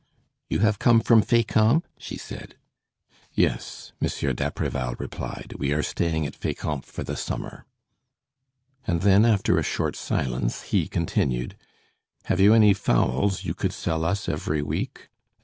"You have come from Fécamp?" she said. "Yes," Monsieur d'Apreval replied, "we are staying at Fécamp for the summer." And then, after a short silence he continued: "Have you any fowls you could sell us every week?"